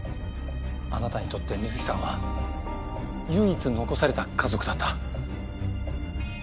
あなたにとって水樹さんは唯一残された家族だった。